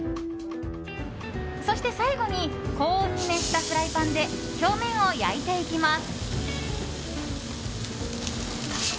そして、最後に高温に熱したフライパンで表面を焼いていきます。